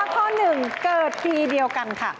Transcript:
ข้อ๑เกิดปีเดียวกันค่ะ